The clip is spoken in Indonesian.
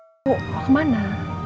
puk mau kemana